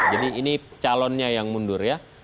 jadi ini calonnya yang mundur ya